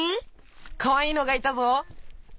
かわいいのがいたぞ。